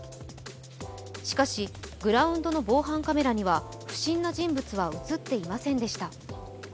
しかしグラウンドの防犯カメラには不審な人物は映っていませんでした。